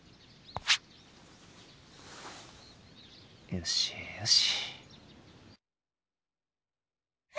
よしよし。